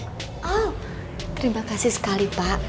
oh terima kasih sekali pak